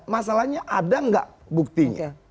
masalahnya ada enggak buktinya